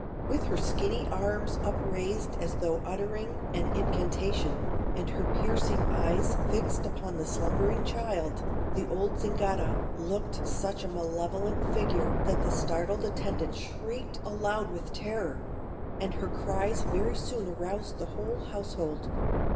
With her skinny arms upraised as though uttering an incantation, and her piercing eyes fixed upon the slumbering child, the old Zingara looked such a malevolent figure that the startled attendant shrieked aloud with terror; and her cries very soon aroused the whole household.